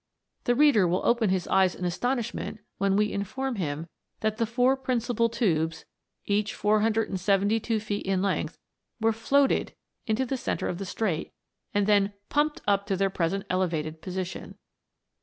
The reader will open his eyes in astonishment when we inform him that the four principal tubes, each 472 feet in length, were floated into the centre of the Strait, and then pumped up to their present elevated position.